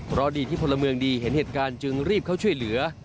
เพราะดีที่พลเมืองดีเห็นเหตุการณ์จึงรีบเข้าช่วยเหลือ